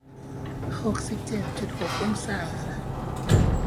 หกสิบเจ็ดจุดหกองศา